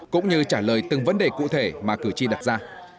cũng như trả lời từng vấn đề cụ thể mà cử tri đặt ra